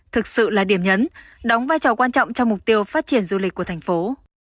thực sự là điểm nhấn đóng vai trò quan trọng cho mục tiêu phát triển du lịch của thành phố